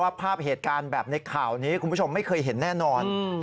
ภาพเหตุการณ์แบบในข่าวนี้คุณผู้ชมไม่เคยเห็นแน่นอน